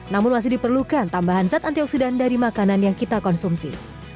namun masih diperlukan tambahan zat antioksidan dari makanan yang kita konsumsi